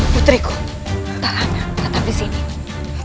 putriku tak ada kata bisnis